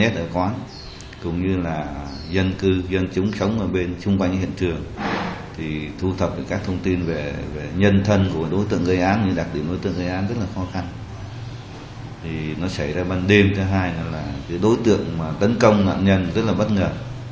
tấn công nạn nhân rất là bất ngờ